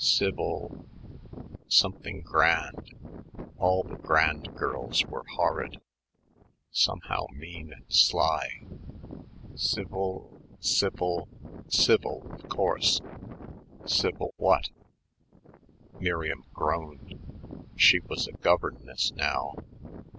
Sivvle ... something grand All the grand girls were horrid ... somehow mean and sly ... Sivvle ... Sivvle ... Civil! Of course! Civil what? Miriam groaned. She was a governess now.